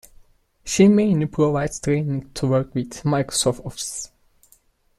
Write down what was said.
She mainly provides training to work with Microsoft Office.